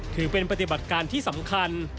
ถือเป็นปฏิบัติการที่สำคัญ